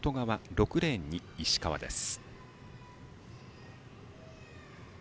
６レーンに石川です。